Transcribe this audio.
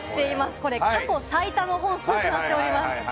これ、過去最多の本数となっております。